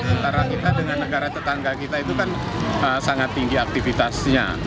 antara kita dengan negara tetangga kita itu kan sangat tinggi aktivitasnya